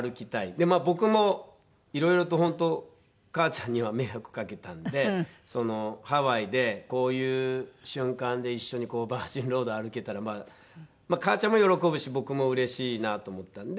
でまあ僕も色々と本当母ちゃんには迷惑かけたんでハワイでこういう瞬間で一緒にバージンロードを歩けたら母ちゃんも喜ぶし僕もうれしいなと思ったんで。